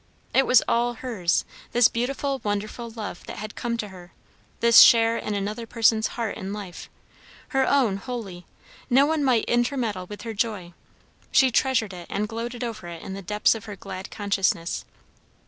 It was all hers, this beautiful, wonderful love that had come to her; this share in another person's heart and life; her own wholly; no one might intermeddle with her joy; she treasured it and gloated over it in the depths of her glad consciousness.